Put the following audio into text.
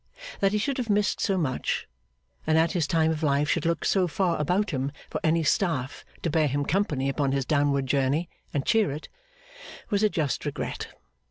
That he should have missed so much, and at his time of life should look so far about him for any staff to bear him company upon his downward journey and cheer it, was a just regret.